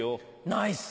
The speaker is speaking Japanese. ナイス！